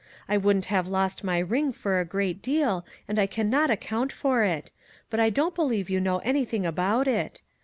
I wouldn't have lost my ring for a great deal and I can not account for it; but I don't believe you know anything about it.